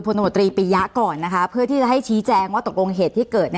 โนตรีปียะก่อนนะคะเพื่อที่จะให้ชี้แจงว่าตกลงเหตุที่เกิด